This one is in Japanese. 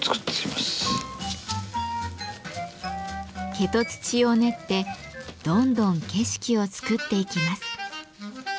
化土土を練ってどんどん景色を作っていきます。